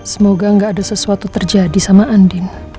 semoga gak ada sesuatu terjadi sama andin